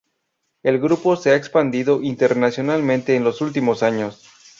El grupo se ha expandido internacionalmente en los últimos años.